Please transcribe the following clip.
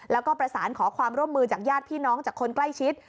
แล้วก็ประสานขอความร่วมมือจากญาติพี่น้องจากคนใกล้ชิด